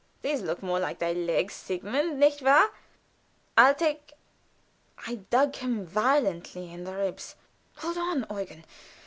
"These look more like thy legs, Sigmund, nicht wahr? I'll take " I dug him violently in the ribs. "Hold on, Eugen!